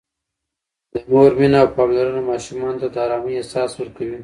د مور مینه او پاملرنه ماشومانو ته د آرام احساس ورکوي.